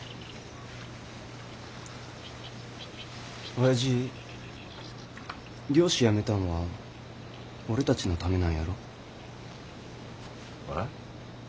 おやじ漁師辞めたんは俺たちのためなんやろ？え？